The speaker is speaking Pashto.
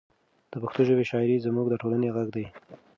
د پښتو ژبې شاعري زموږ د ټولنې غږ دی.